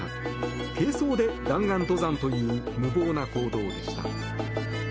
軽装で弾丸登山という無謀な行動でした。